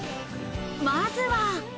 まずは。